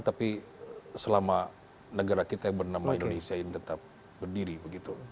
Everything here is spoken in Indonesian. tapi selama negara kita yang bernama indonesia ini tetap berdiri begitu